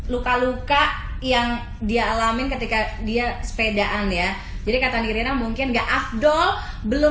luka luka yang dia alamin ketika dia sepedaan ya jadi kata nirina mungkin nggak afdol belum